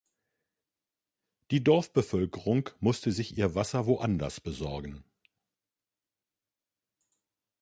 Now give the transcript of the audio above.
Die Dorfbevölkerung musste sich ihr Wasser woanders besorgen.